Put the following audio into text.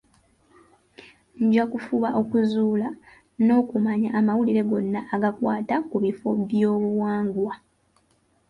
Nja kufuba okuzuula n'okumanya amawulire gonna agakwata ku bifo by'obuwangwa.